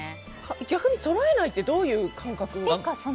逆にそろえないってどういう感覚？